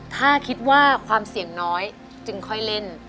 ถ้าคิดว่าความเสี่ยงน้อยจึงค่อยเล่น